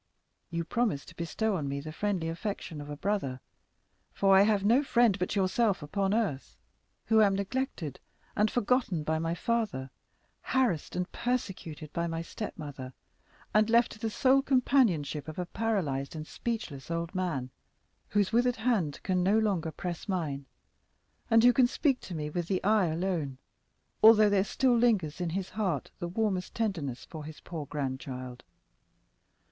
You promised to bestow on me the friendly affection of a brother. For I have no friend but yourself upon earth, who am neglected and forgotten by my father, harassed and persecuted by my stepmother, and left to the sole companionship of a paralyzed and speechless old man, whose withered hand can no longer press mine, and who can speak to me with the eye alone, although there still lingers in his heart the warmest tenderness for his poor grandchild.